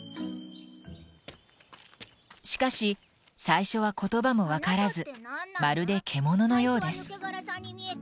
しかし最初は言葉も分からずまるで獣のようです。わあっ！